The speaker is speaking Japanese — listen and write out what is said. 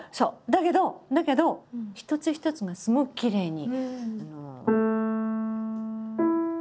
だけどだけど一つ一つがすごくきれいに。